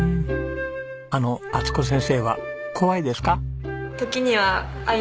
あの充子先生は怖いですか？